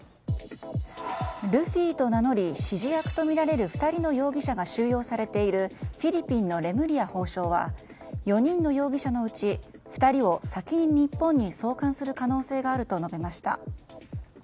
ルフィと名乗り指示役とみられる２人の容疑者が収容されているフィリピンのレムリヤ法相は４人の容疑者のうち２人を先に日本に送還する可能性があると述べました。